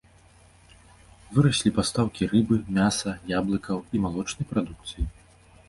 Выраслі пастаўкі рыбы, мяса, яблыкаў і малочнай прадукцыі.